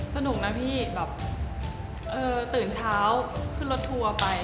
สนุกนะพี่แบบตื่นเช้าขึ้นรถทัวร์ไป